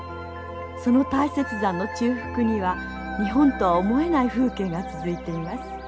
その大雪山の中腹には日本とは思えない風景が続いています。